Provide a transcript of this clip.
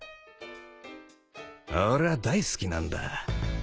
俺ぁ大好きなんだ。